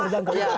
udah gak bisa